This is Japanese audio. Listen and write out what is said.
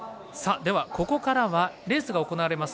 ここからはレースが行われます